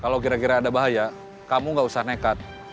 kalau kira kira ada bahaya kamu gak usah nekat